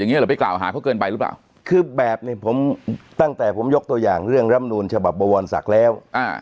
นี่ตั้งแต่ผมยกตัวอย่างเรื่องลำนูนฉบับบรรวรณศักดิ์แล้ว